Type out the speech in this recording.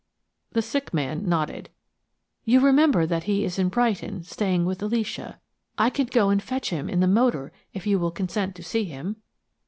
The sick man nodded. "You remember that he is in Brighton, staying with Alicia. I can go and fetch him in the motor if you will consent to see him."